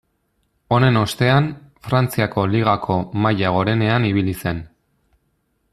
Honen ostean, Frantziako ligako maila gorenean ibili zen.